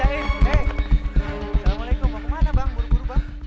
assalamualaikum mau kemana bang buru buru bang